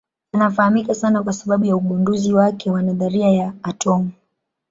Anafahamika sana kwa sababu ya ugunduzi wake wa nadharia ya atomu.